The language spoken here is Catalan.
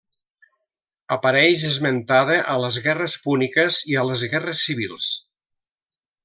Apareix esmentada a les guerres púniques i a les guerres civils.